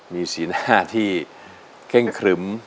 มีสีหน้าที่เคร่งครึ้ม